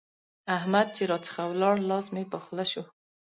احمد چې راڅخه ولاړ؛ لاس مې په خوله شو.